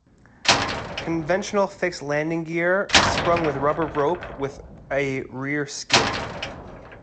Conventional fixed landing gear, sprung with a rubber rope, with a rear skid.